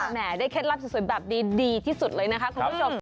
แหมได้เคล็ดลับโศนดีที่สุดเลยนะครับ